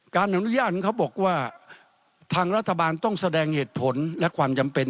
อนุญาตเขาบอกว่าทางรัฐบาลต้องแสดงเหตุผลและความจำเป็น